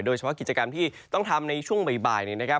โดยเฉพาะกิจกรรมที่ต้องทำในช่วงบ่าย